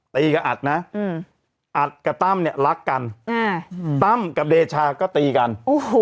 ตีกับอัดนะอืมอัดกับตั้มเนี่ยรักกันอ่าตั้มกับเดชาก็ตีกันโอ้โห